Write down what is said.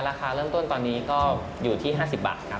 ราคาเริ่มต้นตอนนี้ก็อยู่ที่๕๐บาทครับ